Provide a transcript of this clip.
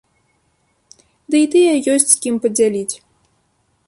Ды і тыя ёсць з кім падзяліць.